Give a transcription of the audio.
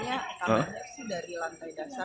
tiba tiba dari lantai dasar